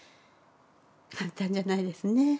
簡単じゃないですね。